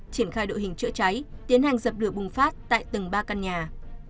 triển khai đội hình chữa cháy tiến hành sập lửa bùng phát tại tầng ba căn nhà